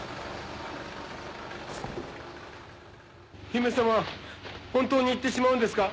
姫さま本当に行ってしまうんですか？